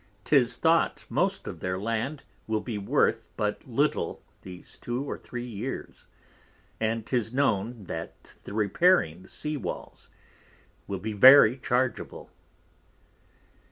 'Tis thought most of their Land will be worth but little these 2 or 3 years, and 'tis known, that the repairing the Sea Walls will be very chargeable.